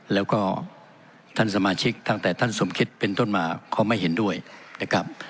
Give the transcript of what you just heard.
แล้วก็ท่านสมาชิกตั้งแต่ท่านสมคิดเป็นต้นมาเขาไม่เห็นด้วยนะครับ